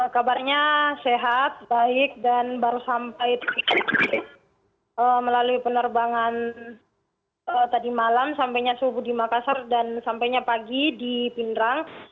kabarnya sehat baik dan baru sampai melalui penerbangan tadi malam sampainya subuh di makassar dan sampainya pagi di pindrang